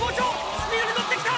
スピードに乗ってきた！